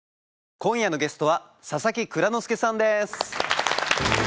今夜のゲストは佐々木蔵之介さんです。